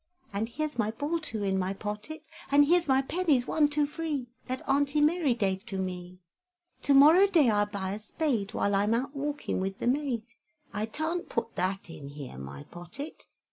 And here's my ball too in my pottet, And here's my pennies, one, two, free, That Aunty Mary dave to me, To morrow day I'll buy a spade, When I'm out walking with the maid; I tant put that in here my pottet!